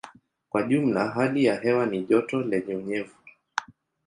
Kwa jumla hali ya hewa ni joto lenye unyevu.